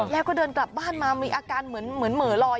แล้วก็เดินกลับบ้านมามีอาการเหมือนเหม่อลอย